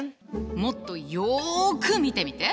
もっとよく見てみて。